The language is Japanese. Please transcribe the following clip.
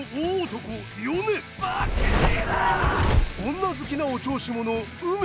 女好きのお調子者ウメ。